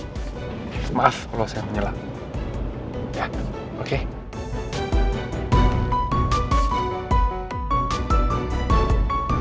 kamu nutupin kebohongan apa lagi sama pangeran